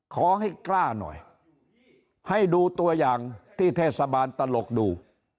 ขอให้กล้าหน่อยให้ดูตัวอย่างที่เทศบาลตลกดู